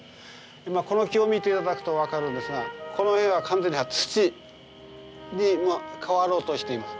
今この木を見て頂くと分かるんですがこの辺は完全に土に変わろうとしています。